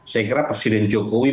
saya kira presiden jokowi